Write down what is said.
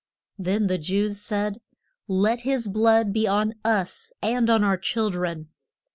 Then the Jews said, Let his blood be on us and on our chil dren.